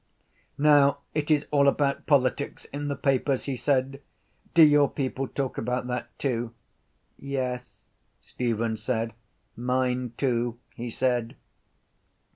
—Now it is all about politics in the papers, he said. Do your people talk about that too? —Yes, Stephen said. —Mine too, he said.